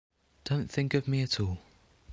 Don't think of me at all.